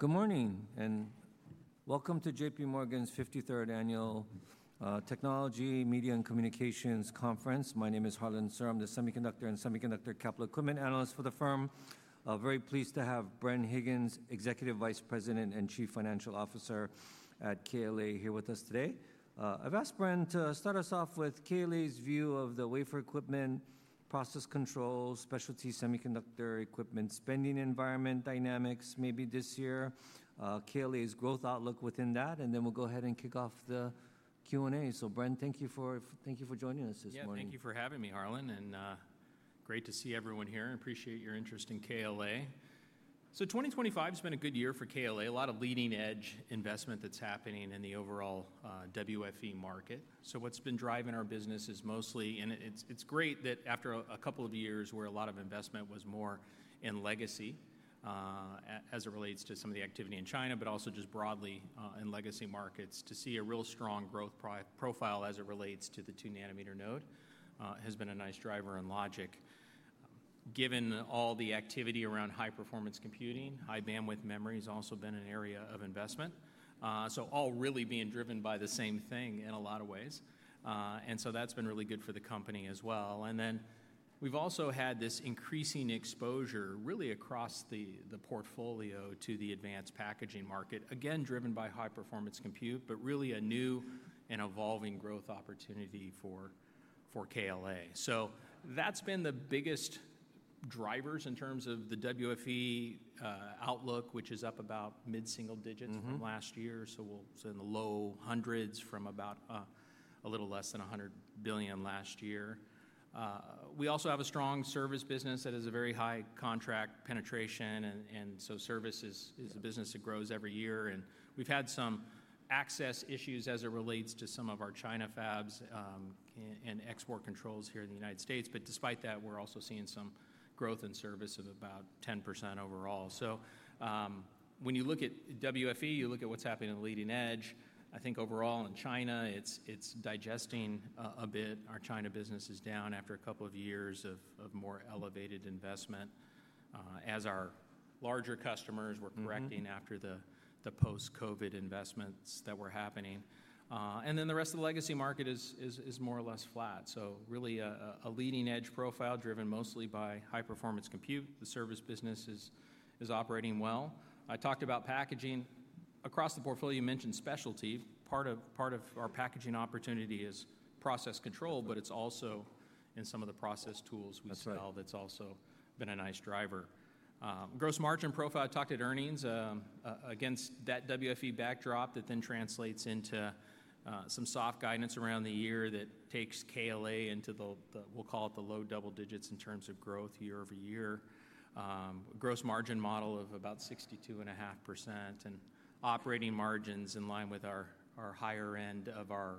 Good morning and welcome to JPMorgan's 53rd Annual Technology, Media, and Communications Conference. My name is Harlan Sur. I'm the Semiconductor and Semiconductor Capital Equipment Analyst for the firm. Very pleased to have Bren Higgins, Executive Vice President and Chief Financial Officer at KLA, here with us today. I've asked Bren to start us off with KLA's view of the wafer equipment, process control, specialty semiconductor equipment spending environment dynamics, maybe this year, KLA's growth outlook within that, and then we'll go ahead and kick off the Q&A. Bren, thank you for joining us this morning. Yeah, thank you for having me, Harlan, and great to see everyone here. I appreciate your interest in KLA. 2025 has been a good year for KLA. A lot of leading-edge investment that's happening in the overall WFE market. What's been driving our business is mostly, and it's great that after a couple of years where a lot of investment was more in legacy as it relates to some of the activity in China, but also just broadly in legacy markets, to see a real strong growth profile as it relates to the 2-nanometer node has been a nice driver in logic. Given all the activity around high-performance computing, high-bandwidth memory has also been an area of investment. All really being driven by the same thing in a lot of ways. That's been really good for the company as well. We've also had this increasing exposure really across the portfolio to the advanced packaging market, again, driven by high-performance compute, but really a new and evolving growth opportunity for KLA. That's been the biggest driver in terms of the WFE outlook, which is up about mid-single digits from last year. We'll say in the low hundreds from about a little less than $100 billion last year. We also have a strong service business that has a very high contract penetration, and service is a business that grows every year. We've had some access issues as it relates to some of our China fabs and export controls here in the U.S. Despite that, we're also seeing some growth in service of about 10% overall. When you look at WFE, you look at what's happening in leading edge. I think overall in China, it's digesting a bit. Our China business is down after a couple of years of more elevated investment as our larger customers were correcting after the post-COVID investments that were happening. The rest of the legacy market is more or less flat. Really a leading-edge profile driven mostly by high-performance compute. The service business is operating well. I talked about packaging. Across the portfolio, you mentioned specialty. Part of our packaging opportunity is process control, but it's also in some of the process tools we sell that's also been a nice driver. Gross margin profile, I talked at earnings against that WFE backdrop that then translates into some soft guidance around the year that takes KLA into the, we'll call it the low double digits in terms of growth year over year. Gross margin model of about 62.5% and operating margins in line with our higher end of our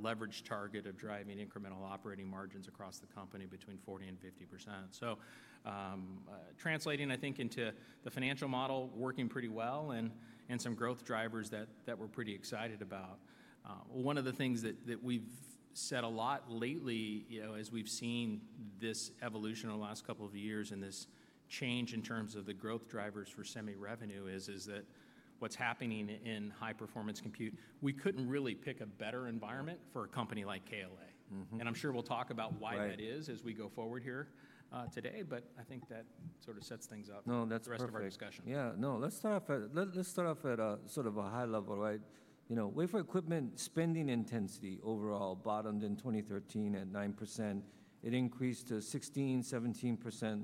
leverage target of driving incremental operating margins across the company between 40% and 50%. Translating, I think, into the financial model, working pretty well and some growth drivers that we're pretty excited about. One of the things that we've said a lot lately, you know, as we've seen this evolution over the last couple of years and this change in terms of the growth drivers for semi-revenue is that what's happening in high-performance compute, we couldn't really pick a better environment for a company like KLA. I'm sure we'll talk about why that is as we go forward here today, but I think that sort of sets things up for the rest of our discussion. Yeah, no, let's start off at sort of a high level, right? You know, wafer equipment spending intensity overall bottomed in 2013 at 9%. It increased to 16%-17%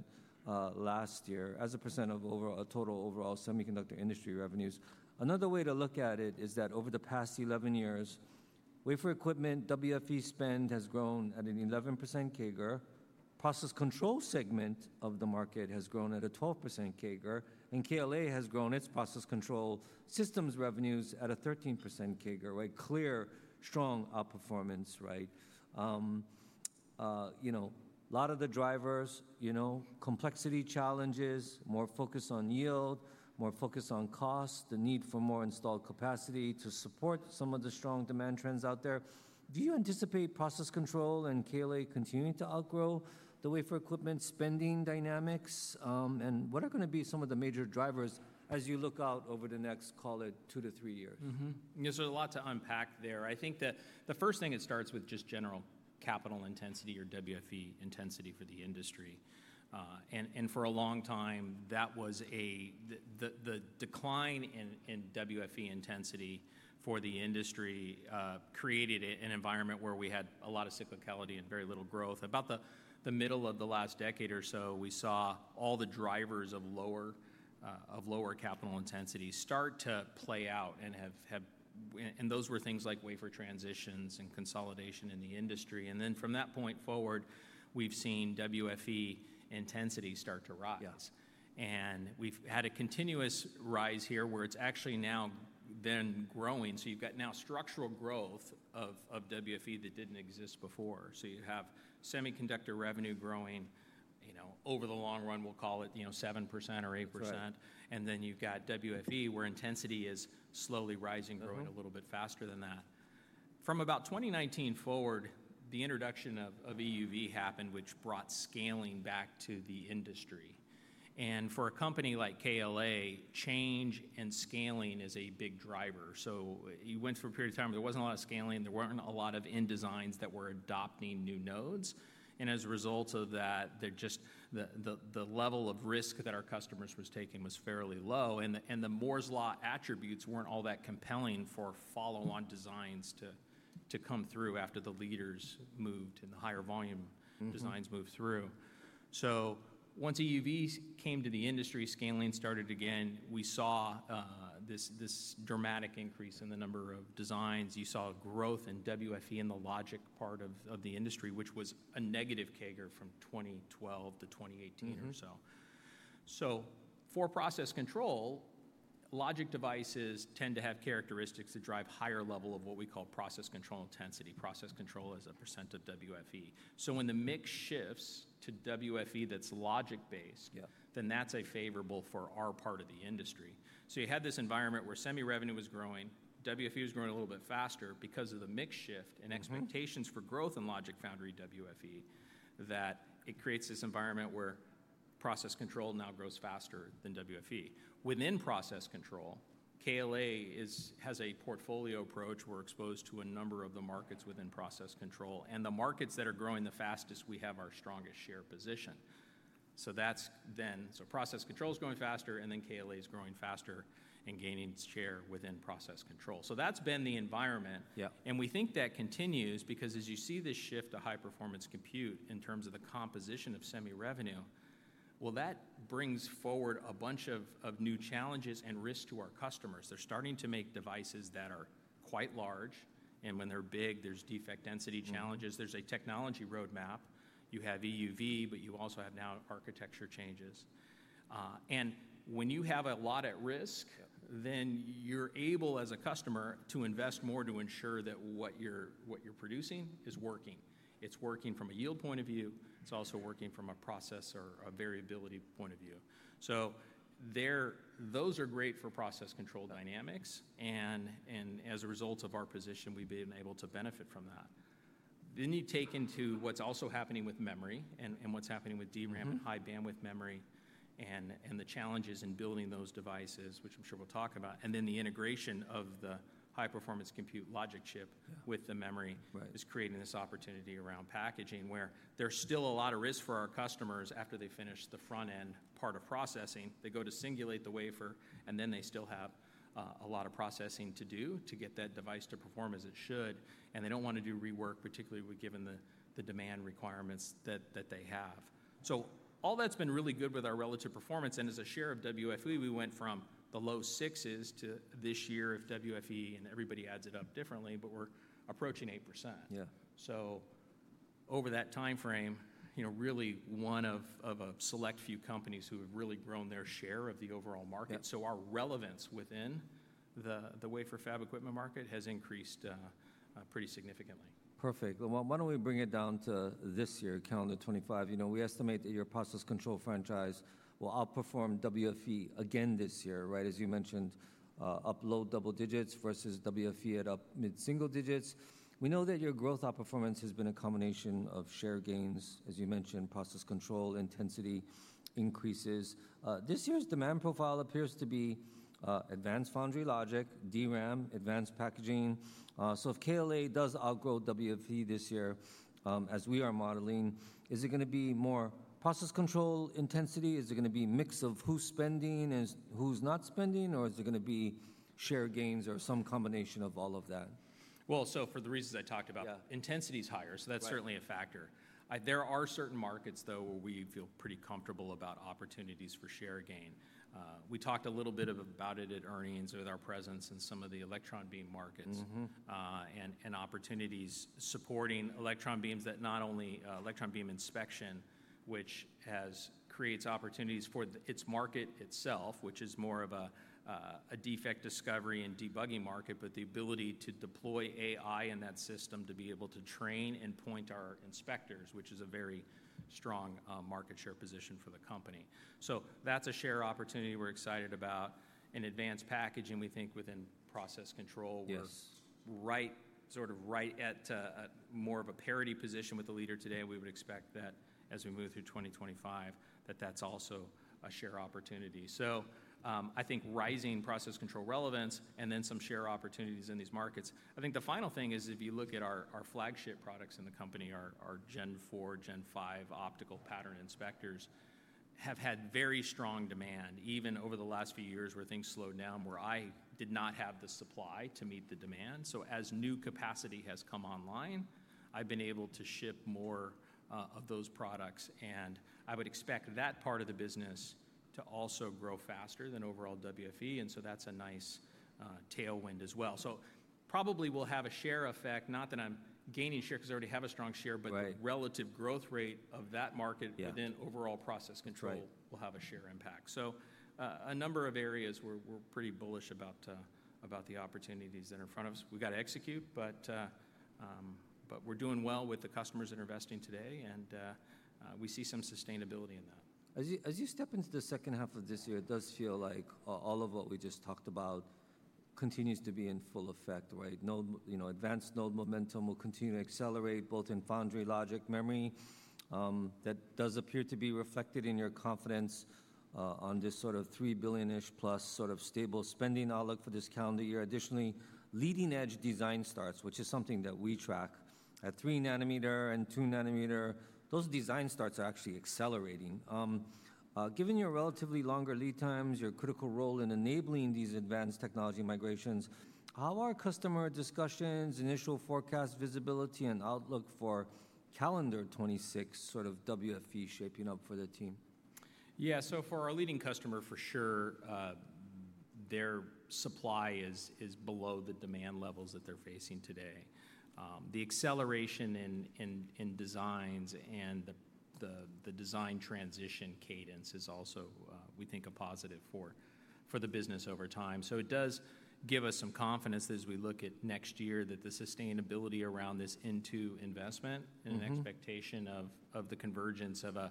last year as a percent of overall total overall semiconductor industry revenues. Another way to look at it is that over the past 11 years, wafer equipment WFE spend has grown at an 11% CAGR. Process control segment of the market has grown at a 12% CAGR, and KLA has grown its process control systems revenues at a 13% CAGR, right? Clear, strong outperformance, right? You know, a lot of the drivers, you know, complexity challenges, more focus on yield, more focus on cost, the need for more installed capacity to support some of the strong demand trends out there. Do you anticipate process control and KLA continuing to outgrow the wafer equipment spending dynamics? What are going to be some of the major drivers as you look out over the next, call it, two to three years? There's a lot to unpack there. I think that the first thing, it starts with just general capital intensity or WFE intensity for the industry. For a long time, that was a decline in WFE intensity for the industry, created an environment where we had a lot of cyclicality and very little growth. About the middle of the last decade or so, we saw all the drivers of lower capital intensity start to play out, and those were things like wafer transitions and consolidation in the industry. From that point forward, we've seen WFE intensity start to rise. We've had a continuous rise here where it's actually now been growing. You've got now structural growth of WFE that didn't exist before. You have semiconductor revenue growing, you know, over the long run, we'll call it, you know, 7% or 8%. You have got WFE where intensity is slowly rising, growing a little bit faster than that. From about 2019 forward, the introduction of EUV happened, which brought scaling back to the industry. For a company like KLA, change and scaling is a big driver. You went for a period of time, there was not a lot of scaling, there were not a lot of end designs that were adopting new nodes. As a result of that, the level of risk that our customers were taking was fairly low. The Moore's Law attributes were not all that compelling for follow-on designs to come through after the leaders moved and the higher volume designs moved through. Once EUV came to the industry, scaling started again. We saw this dramatic increase in the number of designs. You saw growth in WFE in the logic part of the industry, which was a negative CAGR from 2012 to 2018 or so. For process control, logic devices tend to have characteristics that drive higher level of what we call process control intensity. Process control is a percent of WFE. When the mix shifts to WFE that's logic-based, then that's favorable for our part of the industry. You had this environment where semi-revenue was growing, WFE was growing a little bit faster because of the mix shift and expectations for growth in logic foundry WFE that it creates this environment where process control now grows faster than WFE. Within process control, KLA has a portfolio approach. We're exposed to a number of the markets within process control. The markets that are growing the fastest, we have our strongest share position. Process control is growing faster and then KLA is growing faster and gaining its share within process control. That has been the environment. We think that continues because as you see this shift to high-performance compute in terms of the composition of semi-revenue, that brings forward a bunch of new challenges and risks to our customers. They're starting to make devices that are quite large. When they're big, there are defect density challenges. There is a technology roadmap. You have EUV, but you also have now architecture changes. When you have a lot at risk, then you're able as a customer to invest more to ensure that what you're producing is working. It's working from a yield point of view. It's also working from a process or a variability point of view. Those are great for process control dynamics. As a result of our position, we've been able to benefit from that. You take into what's also happening with memory and what's happening with DRAM and high-bandwidth memory and the challenges in building those devices, which I'm sure we'll talk about. The integration of the high-performance compute logic chip with the memory is creating this opportunity around packaging where there's still a lot of risk for our customers after they finish the front-end part of processing. They go to singulate the wafer, and then they still have a lot of processing to do to get that device to perform as it should. They do not want to do rework, particularly given the demand requirements that they have. All that's been really good with our relative performance. As a share of WFE, we went from the low sixes to this year of WFE, and everybody adds it up differently, but we're approaching 8%. Over that timeframe, you know, really one of a select few companies who have really grown their share of the overall market. Our relevance within the wafer fab equipment market has increased pretty significantly. Perfect. Why don't we bring it down to this year, calendar 2025? You know, we estimate that your process control franchise will outperform WFE again this year, right? As you mentioned, up low double digits versus WFE at up mid-single digits. We know that your growth outperformance has been a combination of share gains, as you mentioned, process control intensity increases. This year's demand profile appears to be advanced foundry logic, DRAM, advanced packaging. If KLA does outgrow WFE this year, as we are modeling, is it going to be more process control intensity? Is it going to be a mix of who's spending and who's not spending? Is it going to be share gains or some combination of all of that? For the reasons I talked about, intensity is higher. That is certainly a factor. There are certain markets, though, where we feel pretty comfortable about opportunities for share gain. We talked a little bit about it at earnings with our presence in some of the electron beam markets and opportunities supporting electron beams that not only electron beam inspection, which creates opportunities for its market itself, which is more of a defect discovery and debugging market, but the ability to deploy AI in that system to be able to train and point our inspectors, which is a very strong market share position for the company. That is a share opportunity we are excited about. In advanced packaging, we think within process control, we are sort of right at more of a parity position with the leader today. We would expect that as we move through 2025, that that's also a share opportunity. I think rising process control relevance and then some share opportunities in these markets. I think the final thing is if you look at our flagship products in the company, our Gen 4, Gen 5 optical pattern inspectors have had very strong demand even over the last few years where things slowed down, where I did not have the supply to meet the demand. As new capacity has come online, I've been able to ship more of those products. I would expect that part of the business to also grow faster than overall WFE. That is a nice tailwind as well. Probably we'll have a share effect, not that I'm gaining share because I already have a strong share, but the relative growth rate of that market within overall process control will have a share impact. A number of areas where we're pretty bullish about the opportunities that are in front of us. We've got to execute, but we're doing well with the customers that are investing today. We see some sustainability in that. As you step into the second half of this year, it does feel like all of what we just talked about continues to be in full effect, right? You know, advanced node momentum will continue to accelerate both in foundry logic memory. That does appear to be reflected in your confidence on this sort of $3 billion-ish plus sort of stable spending outlook for this calendar year. Additionally, leading-edge design starts, which is something that we track at 3-nanometer and 2-nanometer, those design starts are actually accelerating. Given your relatively longer lead times, your critical role in enabling these advanced technology migrations, how are customer discussions, initial forecast visibility, and outlook for calendar 2026 sort of WFE shaping up for the team? Yeah, so for our leading customer, for sure, their supply is below the demand levels that they're facing today. The acceleration in designs and the design transition cadence is also, we think, a positive for the business over time. It does give us some confidence as we look at next year that the sustainability around this into investment and expectation of the convergence of a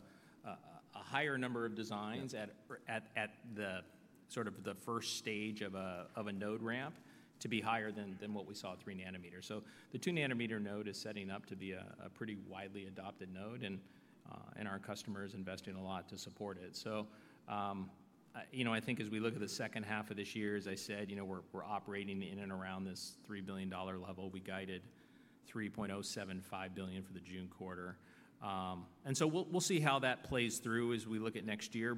higher number of designs at the sort of the first stage of a node ramp to be higher than what we saw at 3 nanometers. The 2-nanometer node is setting up to be a pretty widely adopted node, and our customers are investing a lot to support it. You know, I think as we look at the second half of this year, as I said, you know, we're operating in and around this $3 billion level. We guided $3.075 billion for the June quarter. We'll see how that plays through as we look at next year.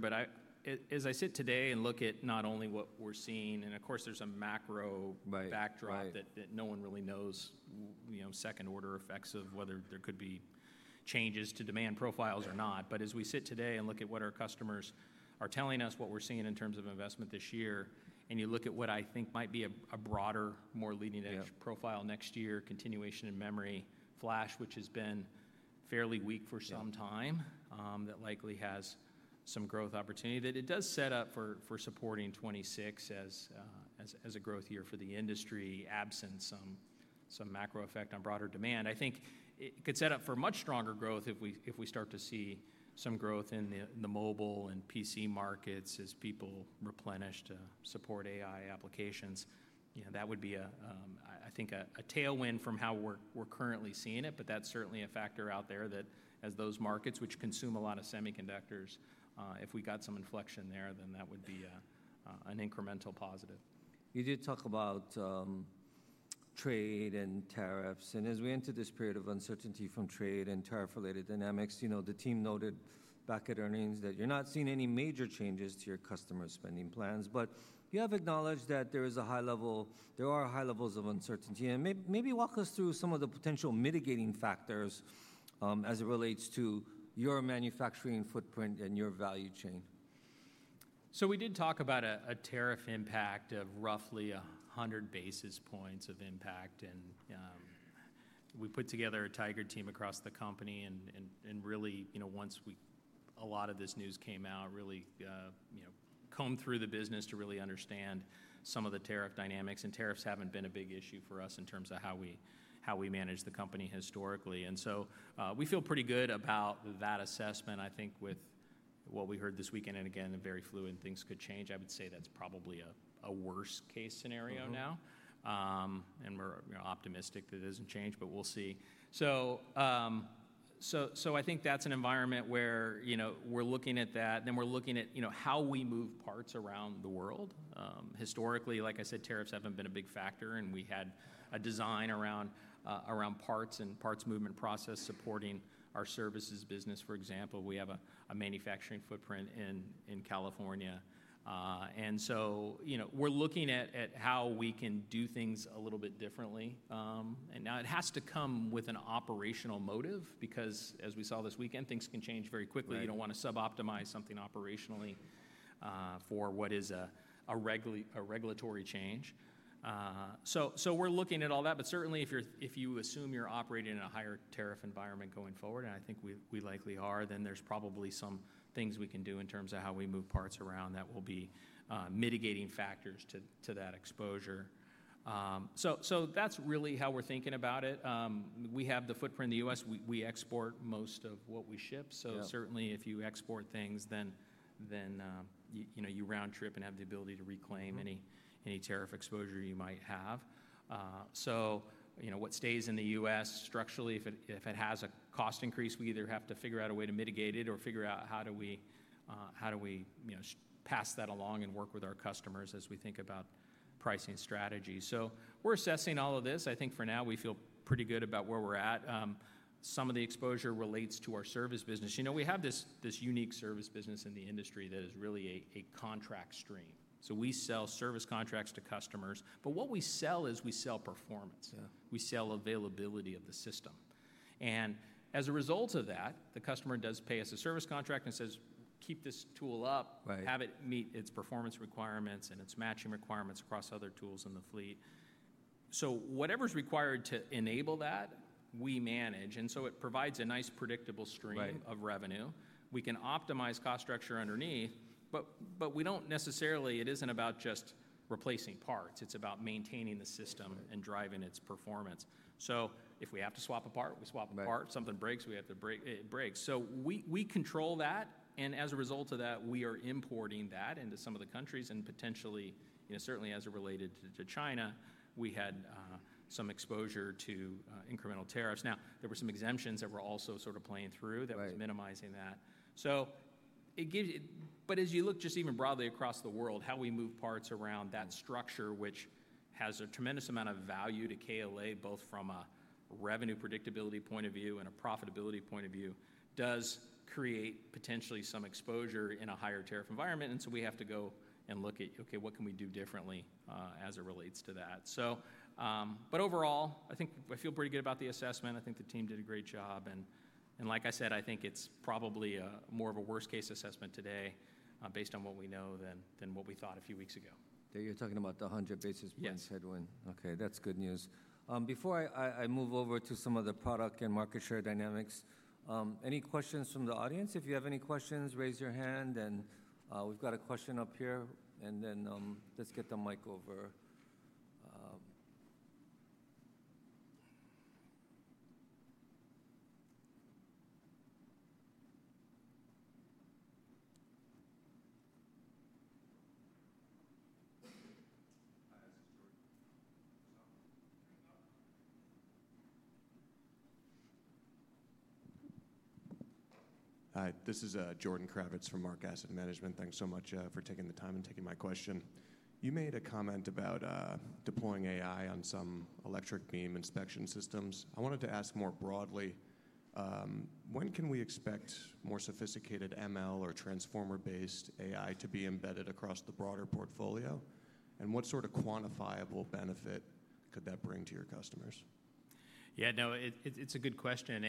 As I sit today and look at not only what we're seeing, and of course, there's a macro backdrop that no one really knows, you know, second order effects of whether there could be changes to demand profiles or not. As we sit today and look at what our customers are telling us, what we're seeing in terms of investment this year, and you look at what I think might be a broader, more leading-edge profile next year, continuation in memory flash, which has been fairly weak for some time, that likely has some growth opportunity, that it does set up for supporting 2026 as a growth year for the industry, absent some macro effect on broader demand. I think it could set up for much stronger growth if we start to see some growth in the mobile and PC markets as people replenish to support AI applications. You know, that would be, I think, a tailwind from how we're currently seeing it. That is certainly a factor out there that as those markets, which consume a lot of semiconductors, if we got some inflection there, then that would be an incremental positive. You did talk about trade and tariffs. As we enter this period of uncertainty from trade and tariff-related dynamics, you know, the team noted back at earnings that you're not seeing any major changes to your customer spending plans. You have acknowledged that there is a high level, there are high levels of uncertainty. Maybe walk us through some of the potential mitigating factors as it relates to your manufacturing footprint and your value chain. We did talk about a tariff impact of roughly 100 basis points of impact. We put together a tiger team across the company. Really, you know, once a lot of this news came out, really, you know, combed through the business to really understand some of the tariff dynamics. Tariffs have not been a big issue for us in terms of how we manage the company historically. We feel pretty good about that assessment. I think with what we heard this weekend, and again, very fluid, things could change. I would say that is probably a worst-case scenario now. We are optimistic that it does not change, but we will see. I think that is an environment where, you know, we are looking at that. Then we are looking at, you know, how we move parts around the world. Historically, like I said, tariffs have not been a big factor. We had a design around parts and parts movement process supporting our services business. For example, we have a manufacturing footprint in California. You know, we're looking at how we can do things a little bit differently. Now it has to come with an operational motive because, as we saw this weekend, things can change very quickly. You do not want to suboptimize something operationally for what is a regulatory change. We're looking at all that. Certainly, if you assume you're operating in a higher tariff environment going forward, and I think we likely are, then there's probably some things we can do in terms of how we move parts around that will be mitigating factors to that exposure. That's really how we're thinking about it. We have the footprint in the U.S. We export most of what we ship. Certainly, if you export things, then, you know, you round trip and have the ability to reclaim any tariff exposure you might have. You know, what stays in the U.S. structurally, if it has a cost increase, we either have to figure out a way to mitigate it or figure out how do we pass that along and work with our customers as we think about pricing strategies. We're assessing all of this. I think for now, we feel pretty good about where we're at. Some of the exposure relates to our service business. You know, we have this unique service business in the industry that is really a contract stream. We sell service contracts to customers. What we sell is we sell performance. We sell availability of the system. As a result of that, the customer does pay us a service contract and says, "Keep this tool up, have it meet its performance requirements and its matching requirements across other tools in the fleet." Whatever's required to enable that, we manage. It provides a nice predictable stream of revenue. We can optimize cost structure underneath, but we don't necessarily, it isn't about just replacing parts. It's about maintaining the system and driving its performance. If we have to swap a part, we swap a part. Something breaks, it breaks. We control that. As a result of that, we are importing that into some of the countries. Potentially, you know, certainly as it related to China, we had some exposure to incremental tariffs. Now, there were some exemptions that were also sort of playing through that was minimizing that. It gives, but as you look just even broadly across the world, how we move parts around that structure, which has a tremendous amount of value to KLA, both from a revenue predictability point of view and a profitability point of view, does create potentially some exposure in a higher tariff environment. We have to go and look at, okay, what can we do differently as it relates to that. Overall, I think I feel pretty good about the assessment. I think the team did a great job. Like I said, I think it's probably more of a worst-case assessment today based on what we know than what we thought a few weeks ago. There you're talking about the 100 basis points headwind. Okay, that's good news. Before I move over to some of the product and market share dynamics, any questions from the audience? If you have any questions, raise your hand. We've got a question up here. Let's get the mic over. Hi, this is Jordan Krawitz from Mark Asset Management. Thanks so much for taking the time and taking my question. You made a comment about deploying AI on some e-beam inspection systems. I wanted to ask more broadly, when can we expect more sophisticated ML or transformer-based AI to be embedded across the broader portfolio? What sort of quantifiable benefit could that bring to your customers? Yeah, no, it's a good question.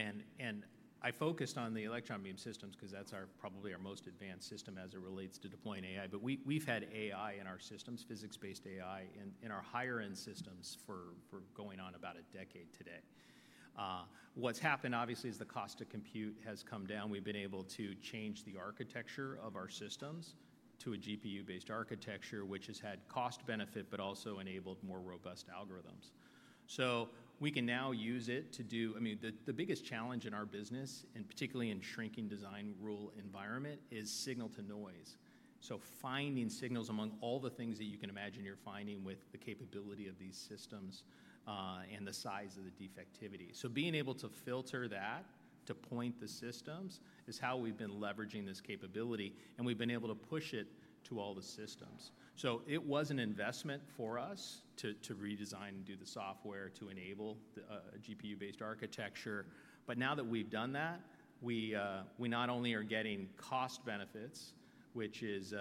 I focused on the electron beam systems because that's probably our most advanced system as it relates to deploying AI. We've had AI in our systems, physics-based AI in our higher-end systems for going on about a decade today. What's happened, obviously, is the cost to compute has come down. We've been able to change the architecture of our systems to a GPU-based architecture, which has had cost benefit, but also enabled more robust algorithms. We can now use it to do, I mean, the biggest challenge in our business, and particularly in shrinking design rule environment, is signal to noise. Finding signals among all the things that you can imagine you're finding with the capability of these systems and the size of the defectivity. Being able to filter that to point the systems is how we've been leveraging this capability. We've been able to push it to all the systems. It was an investment for us to redesign and do the software to enable the GPU-based architecture. Now that we've done that, we not only are getting cost benefits, which is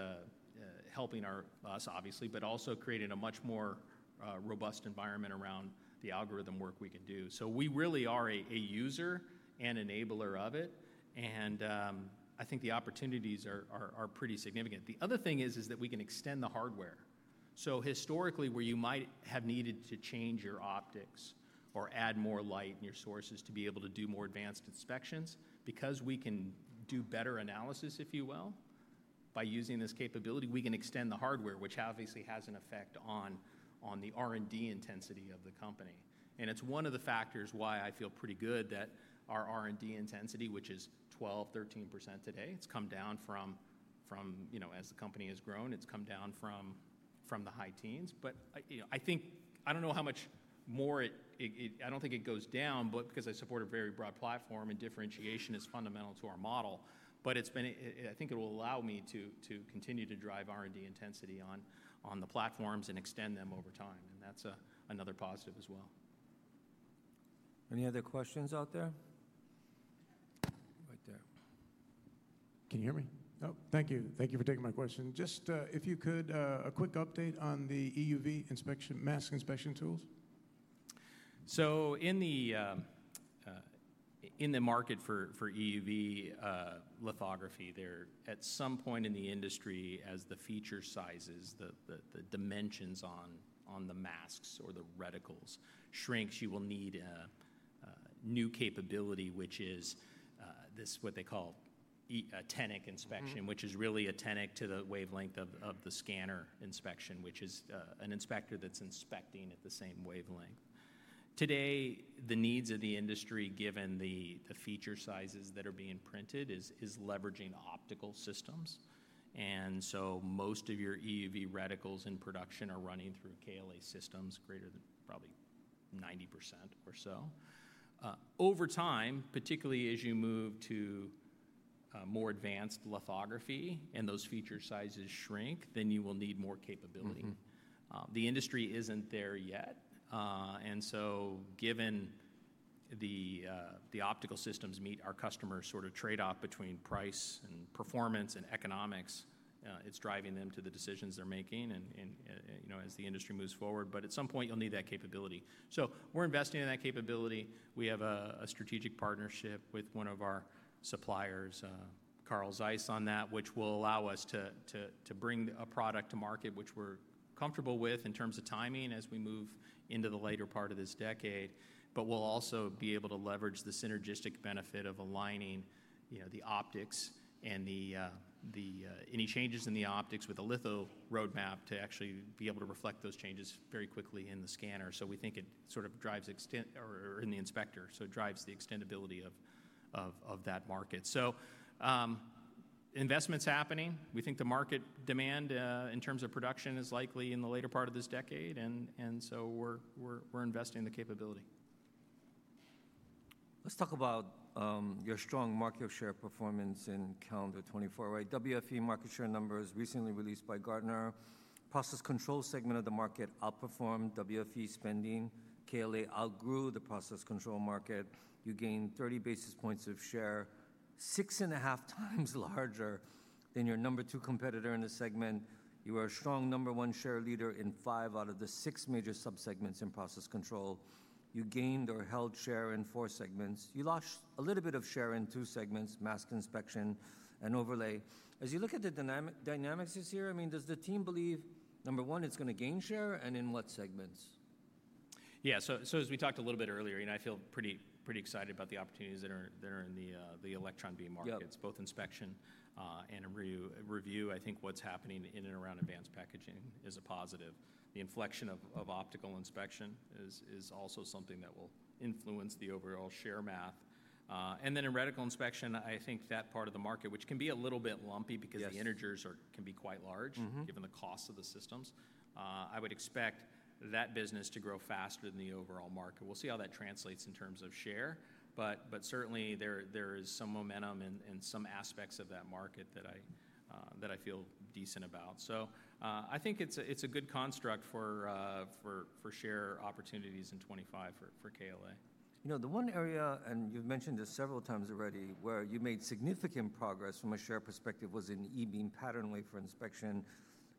helping us, obviously, but also creating a much more robust environment around the algorithm work we can do. We really are a user and enabler of it. I think the opportunities are pretty significant. The other thing is that we can extend the hardware. Historically, where you might have needed to change your optics or add more light in your sources to be able to do more advanced inspections, because we can do better analysis, if you will, by using this capability, we can extend the hardware, which obviously has an effect on the R&D intensity of the company. It is one of the factors why I feel pretty good that our R&D intensity, which is 12%-13% today, has come down from, you know, as the company has grown, it has come down from the high teens. I think, I do not know how much more it, I do not think it goes down, because I support a very broad platform and differentiation is fundamental to our model. It has been, I think it will allow me to continue to drive R&D intensity on the platforms and extend them over time. That's another positive as well. Any other questions out there? Right there. Can you hear me? Oh, thank you. Thank you for taking my question. Just if you could, a quick update on the EUV inspection, mask inspection tools. In the market for EUV lithography, there at some point in the industry, as the feature sizes, the dimensions on the masks or the reticles shrinks, you will need a new capability, which is this, what they call actinic inspection, which is really actinic to the wavelength of the scanner inspection, which is an inspector that's inspecting at the same wavelength. Today, the needs of the industry, given the feature sizes that are being printed, is leveraging optical systems. Most of your EUV reticles in production are running through KLA systems, greater than probably 90% or so. Over time, particularly as you move to more advanced lithography and those feature sizes shrink, then you will need more capability. The industry isn't there yet. Given the optical systems meet our customer sort of trade-off between price and performance and economics, it's driving them to the decisions they're making, you know, as the industry moves forward. At some point, you'll need that capability. We're investing in that capability. We have a strategic partnership with one of our suppliers, Carl Zeiss, on that, which will allow us to bring a product to market, which we're comfortable with in terms of timing as we move into the later part of this decade. We'll also be able to leverage the synergistic benefit of aligning, you know, the optics and any changes in the optics with a litho roadmap to actually be able to reflect those changes very quickly in the scanner. We think it sort of drives extent, or in the inspector, so it drives the extendability of that market. Investment's happening. We think the market demand in terms of production is likely in the later part of this decade. And so, we're investing in the capability. Let's talk about your strong market share performance in calendar 2024, right? WFE market share numbers recently released by Gartner. Process control segment of the market outperformed WFE spending. KLA outgrew the process control market. You gained 30 basis points of share, six and a half times larger than your number two competitor in the segment. You are a strong number one share leader in five out of the six major subsegments in process control. You gained or held share in four segments. You lost a little bit of share in two segments, mask inspection and overlay. As you look at the dynamics here, I mean, does the team believe, number one, it's going to gain share and in what segments? Yeah, so as we talked a little bit earlier, you know, I feel pretty excited about the opportunities that are in the electron beam markets, both inspection and review. I think what's happening in and around advanced packaging is a positive. The inflection of optical inspection is also something that will influence the overall share math. In reticle inspection, I think that part of the market, which can be a little bit lumpy because the integers can be quite large, given the cost of the systems, I would expect that business to grow faster than the overall market. We'll see how that translates in terms of share. Certainly, there is some momentum in some aspects of that market that I feel decent about. I think it's a good construct for share opportunities in 2025 for KLA. You know, the one area, and you've mentioned this several times already, where you made significant progress from a share perspective was in e-beam pattern wafer inspection.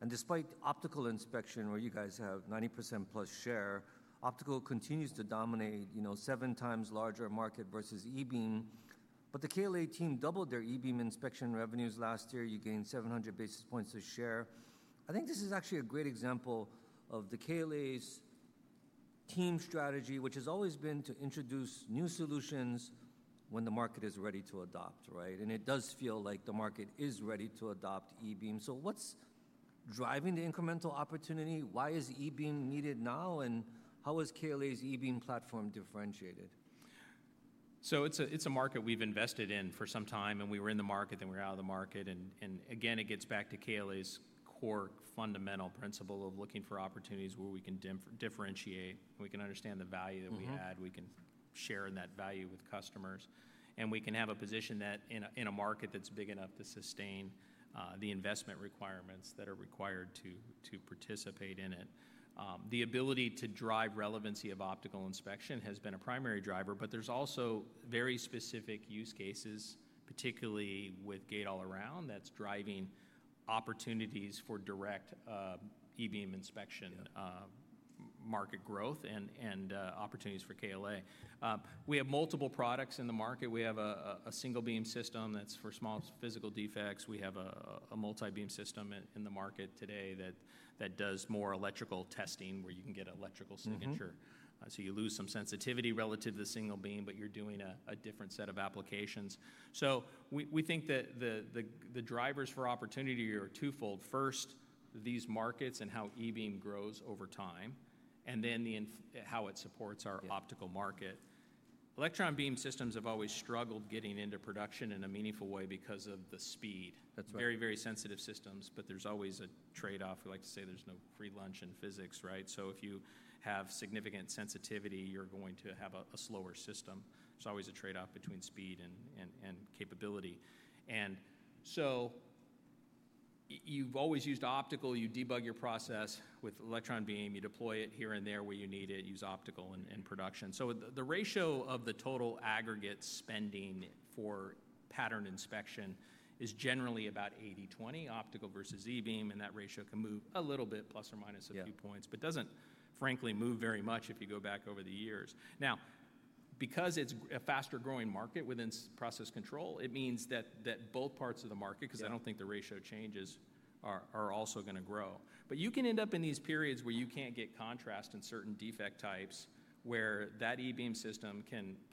And despite optical inspection, where you guys have 90% plus share, optical continues to dominate, you know, seven times larger market versus e-beam. But the KLA team doubled their e-beam inspection revenues last year. You gained 700 basis points of share. I think this is actually a great example of the KLA team's strategy, which has always been to introduce new solutions when the market is ready to adopt, right? It does feel like the market is ready to adopt e-beam. What's driving the incremental opportunity? Why is e-beam needed now? How is KLA's e-beam platform differentiated? It's a market we've invested in for some time. We were in the market, then we were out of the market. It gets back to KLA's core fundamental principle of looking for opportunities where we can differentiate. We can understand the value that we add. We can share in that value with customers. We can have a position in a market that's big enough to sustain the investment requirements that are required to participate in it. The ability to drive relevancy of optical inspection has been a primary driver, but there's also very specific use cases, particularly with Gate-All-Around, that's driving opportunities for direct e-beam inspection market growth and opportunities for KLA. We have multiple products in the market. We have a single beam system that's for small physical defects. We have a multi-beam system in the market today that does more electrical testing where you can get electrical signature. You lose some sensitivity relative to the single beam, but you're doing a different set of applications. We think that the drivers for opportunity are twofold. First, these markets and how e-beam grows over time, and then how it supports our optical market. Electron beam systems have always struggled getting into production in a meaningful way because of the speed. Very, very sensitive systems, but there's always a trade-off. We like to say there's no free lunch in physics, right? If you have significant sensitivity, you're going to have a slower system. There's always a trade-off between speed and capability. You've always used optical. You debug your process with electron beam. You deploy it here and there where you need it. Use optical in production. The ratio of the total aggregate spending for pattern inspection is generally about 80-20, optical versus e-beam. That ratio can move a little bit, plus or minus a few points, but does not, frankly, move very much if you go back over the years. Now, because it is a faster growing market within process control, it means that both parts of the market, because I do not think the ratio changes, are also going to grow. You can end up in these periods where you cannot get contrast in certain defect types, where that e-beam system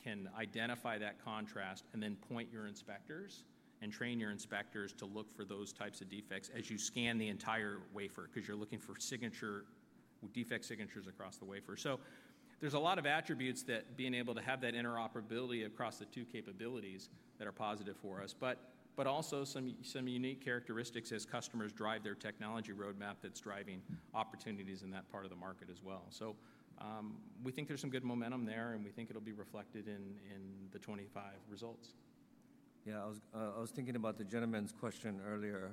can identify that contrast and then point your inspectors and train your inspectors to look for those types of defects as you scan the entire wafer, because you are looking for defect signatures across the wafer. There is a lot of attributes that being able to have that interoperability across the two capabilities that are positive for us, but also some unique characteristics as customers drive their technology roadmap that is driving opportunities in that part of the market as well. We think there is some good momentum there, and we think it will be reflected in the 2025 results. Yeah, I was thinking about the gentleman's question earlier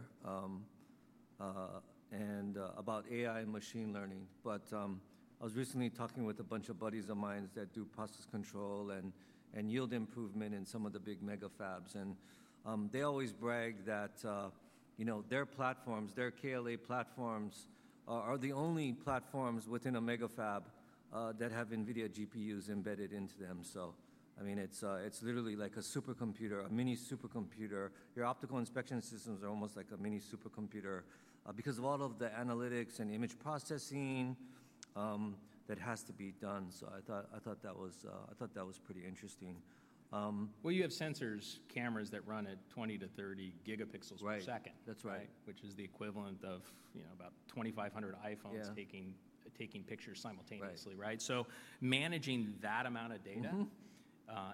and about AI and machine learning. I was recently talking with a bunch of buddies of mine that do process control and yield improvement in some of the big mega fabs. They always brag that, you know, their platforms, their KLA platforms are the only platforms within a mega fab that have NVIDIA GPUs embedded into them. I mean, it's literally like a supercomputer, a mini supercomputer. Your optical inspection systems are almost like a mini supercomputer because of all of the analytics and image processing that has to be done. I thought that was pretty interesting. You have sensors, cameras that run at 20-30 GP/s. Right, that's right, Which is the equivalent of, you know, about 2,500 iPhones taking pictures simultaneously, right? Managing that amount of data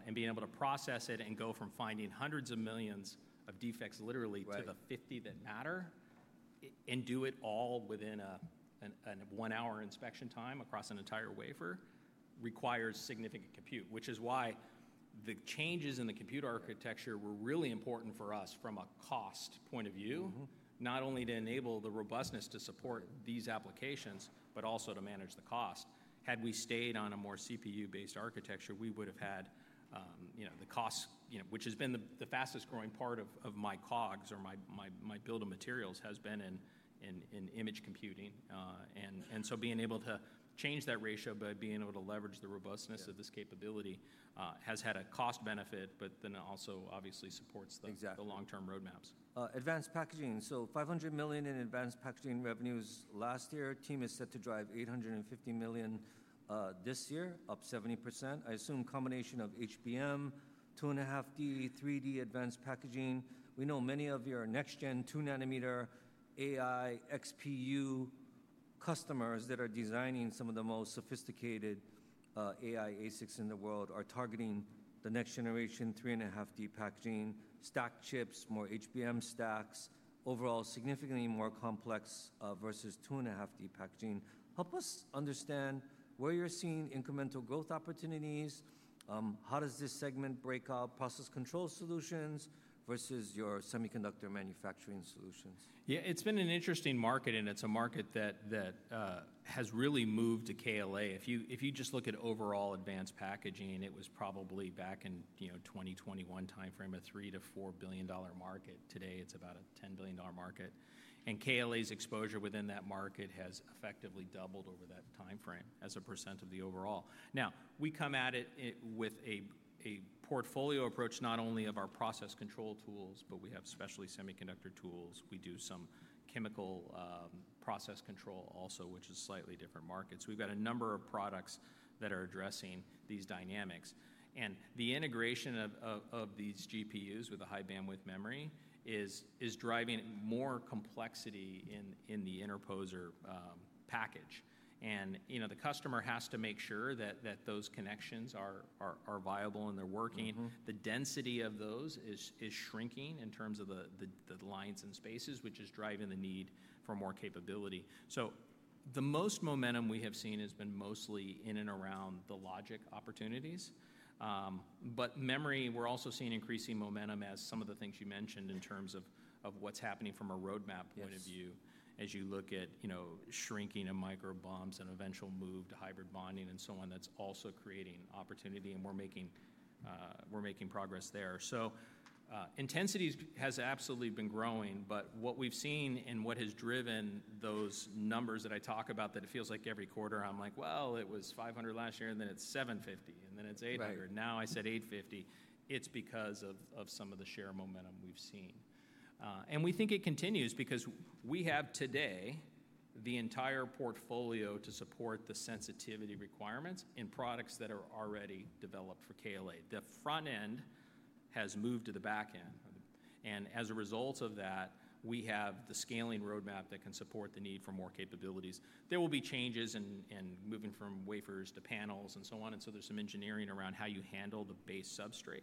and being able to process it and go from finding hundreds of millions of defects literally to the 50 that matter and do it all within a one-hour inspection time across an entire wafer requires significant compute, which is why the changes in the compute architecture were really important for us from a cost point of view, not only to enable the robustness to support these applications, but also to manage the cost. Had we stayed on a more CPU-based architecture, we would have had, you know, the costs, you know, which has been the fastest growing part of my cogs or my build of materials has been in image computing. Being able to change that ratio by being able to leverage the robustness of this capability has had a cost benefit, but then also obviously supports the long-term roadmaps. Advanced packaging. $500 million in advanced packaging revenues last year. Team is set to drive $850 million this year, up 70%. I assume a combination of HBM, 2.5D, 3D advanced packaging. We know many of your next-gen 2-nanometer AI XPU customers that are designing some of the most sophisticated AI ASICs in the world are targeting the next-generation 3.5D packaging, stacked chips, more HBM stacks, overall significantly more complex versus 2.5D packaging. Help us understand where you're seeing incremental growth opportunities. How does this segment break out? Process control solutions versus your semiconductor manufacturing solutions. Yeah, it's been an interesting market, and it's a market that has really moved to KLA. If you just look at overall advanced packaging, it was probably back in, you know, 2021 timeframe, a $3 billion-$4 billion market. Today, it's about a $10 billion market. And KLA's exposure within that market has effectively doubled over that timeframe as a % of the overall. Now, we come at it with a portfolio approach, not only of our process control tools, but we have specialty semiconductor tools. We do some chemical process control also, which is a slightly different market. We've got a number of products that are addressing these dynamics. The integration of these GPUs with a high-bandwidth memory is driving more complexity in the interposer package. And, you know, the customer has to make sure that those connections are viable and they're working. The density of those is shrinking in terms of the lines and spaces, which is driving the need for more capability. The most momentum we have seen has been mostly in and around the logic opportunities. Memory, we're also seeing increasing momentum as some of the things you mentioned in terms of what's happening from a roadmap point of view as you look at, you know, shrinking of micro bonds and eventual move to hybrid bonding and so on, that's also creating opportunity. We're making progress there. Intensity has absolutely been growing, but what we've seen and what has driven those numbers that I talk about that it feels like every quarter I'm like, well, it was $500 last year, and then it's $750, and then it's $800. Now I said $850. It's because of some of the share momentum we've seen. We think it continues because we have today the entire portfolio to support the sensitivity requirements in products that are already developed for KLA. The front end has moved to the back end. As a result of that, we have the scaling roadmap that can support the need for more capabilities. There will be changes in moving from wafers to panels and so on. There is some engineering around how you handle the base substrate.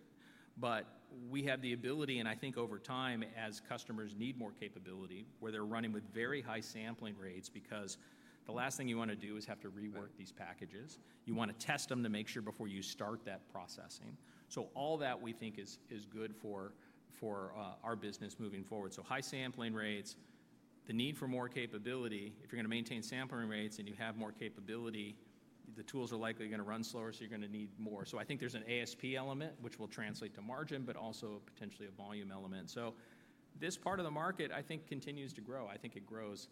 We have the ability, and I think over time as customers need more capability where they are running with very high sampling rates because the last thing you want to do is have to rework these packages. You want to test them to make sure before you start that processing. All that we think is good for our business moving forward. High sampling rates, the need for more capability. If you're going to maintain sampling rates and you have more capability, the tools are likely going to run slower, so you're going to need more. I think there's an ASP element, which will translate to margin, but also potentially a volume element. This part of the market, I think, continues to grow. I think it grows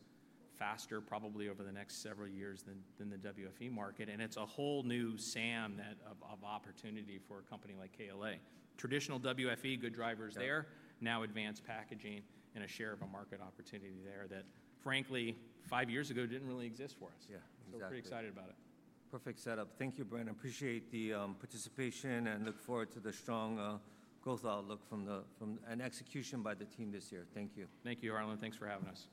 faster probably over the next several years than the WFE market. It's a whole new sand of opportunity for a company like KLA. Traditional WFE, good drivers there, now advanced packaging and a share of a market opportunity there that, frankly, five years ago didn't really exist for us. We're pretty excited about it. Perfect setup. Thank you, Bren. Appreciate the participation and look forward to the strong growth outlook from an execution by the team this year. Thank you. Thank you, Harlan. Thanks for having us.